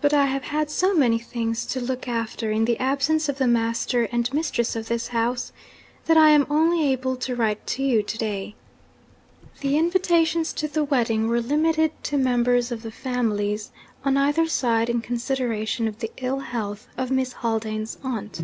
But I have had so many things to look after in the absence of the master and mistress of this house, that I am only able to write to you to day. 'The invitations to the wedding were limited to members of the families on either side, in consideration of the ill health of Miss Haldane's aunt.